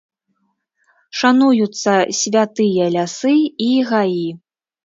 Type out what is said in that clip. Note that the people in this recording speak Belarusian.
Шануюцца святыя лясы і гаі.